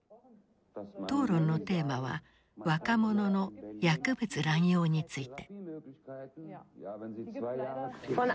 討論のテーマは若者の薬物乱用について。